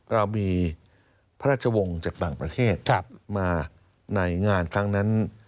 เรามีพระราชวงศ์จากต่างประเทศมาในงานครั้งนั้น